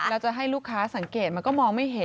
แล้วจะให้ลูกค้าสังเกตมันก็มองไม่เห็น